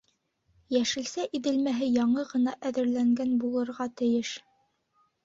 Йәшелсә иҙелмәһе яңы ғына әҙерләнгән булырға тейеш.